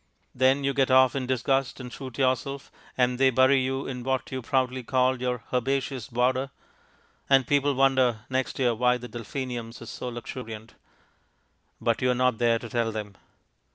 Then you get off in disgust and shoot yourself, and they bury you in what you proudly called your herbaceous border, and people wonder next year why the delphiniums are so luxuriant but you are not there to tell them.